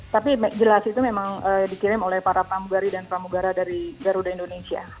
tapi jelas itu memang dikirim oleh para pamugari dan pramugara dari garuda indonesia